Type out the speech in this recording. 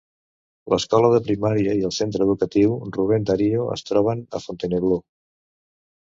L'escola de primària i el centre educatiu Ruben Dario es troben a Fontainebleau.